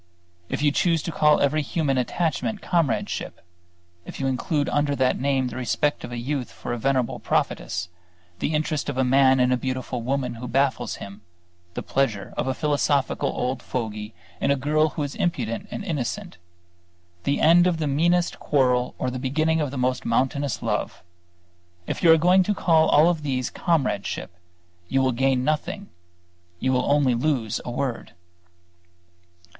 If you choose to call every human attachment comradeship, if you include under that name the respect of a youth for a venerable prophetess, the interest of a man in a beautiful woman who baffles him, the pleasure of a philosophical old fogy in a girl who is impudent and innocent, the end of the meanest quarrel or the beginning of the most mountainous love; if you are going to call all these comradeship, you will gain nothing, you will only lose a word.